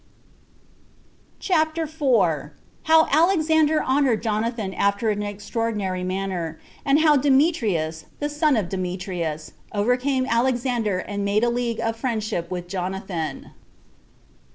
CHAPTER 4. How Alexander Honored Jonathan After An Extraordinary Manner; And How Demetrius, The Son Of Demetrius, Overcame Alexander And Made A League Of Friendship With Jonathan.